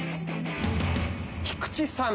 菊地さん